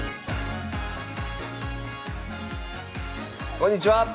こんにちは。